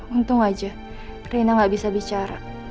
untung aja rina gak bisa bicara